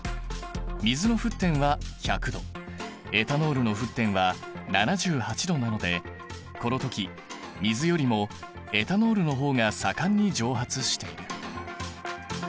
水の沸点は１００℃エタノールの沸点は７８℃なのでこの時水よりもエタノールの方が盛んに蒸発している。